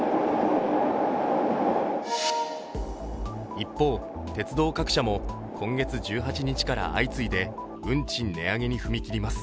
一方、鉄道各社も今月１８日から相次いで運賃値上げに踏み切ります。